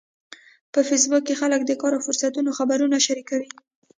په فېسبوک کې خلک د کار او فرصتونو خبرونه شریکوي